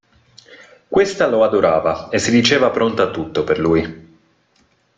Questa lo adorava e si diceva pronta a tutto per lui.